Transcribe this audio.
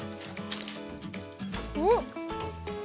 うん！